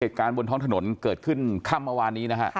บนท้องถนนเกิดขึ้นค่ำเมื่อวานนี้นะฮะ